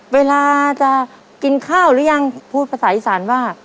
เวลาจะกินข้าวหรือยังพูดภาษาอีสานว่า